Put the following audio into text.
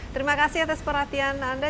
terima kasih atas perhatian anda